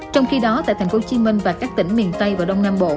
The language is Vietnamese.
trong khi đó tại tp hcm và các tỉnh miền tây và đông nam bộ